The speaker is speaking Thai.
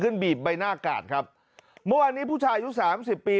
บีบใบหน้ากาดครับเมื่อวานนี้ผู้ชายอายุสามสิบปี